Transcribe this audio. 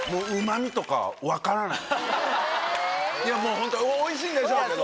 ホントおいしいんでしょうけど。